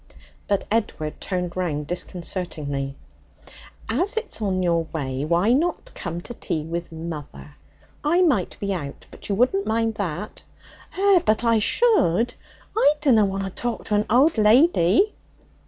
But Edward turned round disconcertingly. 'As it's on your way, why not come to tea with mother? I might be out, but you wouldn't mind that?' 'Eh, but I should! I dunna want to talk to an old lady!'